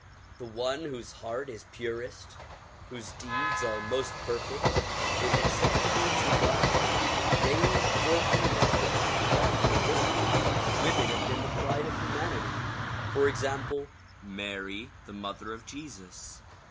The one whose heart is purest, whose deeds are most perfect is acceptable to God, male or female. Often in history women have been the pride of humanity; for example, Mary the mother of Jesus.